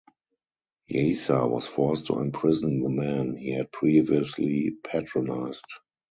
Yasa' was forced to imprison the men he had previously patronized.